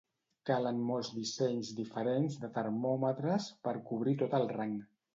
Calen molts dissenys diferents de termòmetres per cobrir tot el rang.